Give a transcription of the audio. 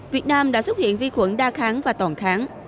việt nam đã xuất hiện vi khuẩn đa kháng và toàn kháng